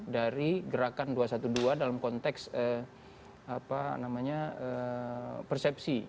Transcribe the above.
dari gerakan dua ratus dua belas dalam konteks persepsi